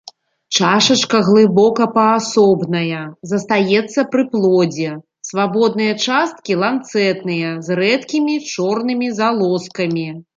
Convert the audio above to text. Чашачка глыбока-паасобная, застаецца пры плодзе, свабодныя часткі ланцэтныя, з рэдкімі чорнымі залозкамі.